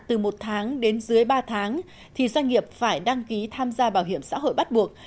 từ một tháng đến dưới ba tháng thì doanh nghiệp phải đăng ký tham gia bảo hiểm xã hội bắt buộc